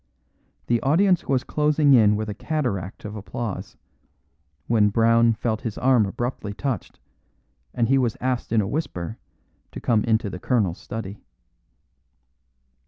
The audience was closing in with a cataract of applause, when Brown felt his arm abruptly touched, and he was asked in a whisper to come into the colonel's study.